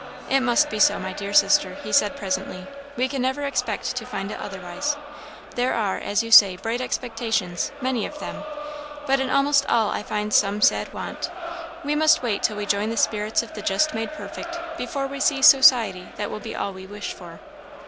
"It must be so, my dear sister," he said, presently; "we can never expect to find it otherwise. There are, as you say, bright exceptions many of them; but in almost all I find some sad want. We must wait till we join the spirits of the just made perfect, before we see society that will be all we wish for."